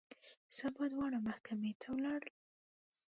سبا دواړه محکمې ته ولاړل.